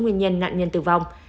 nguyên nhân nạn nhân tử vong